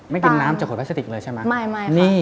ไม่กันน้ำจักรแพรสติกเลยใช่เหมือนกัน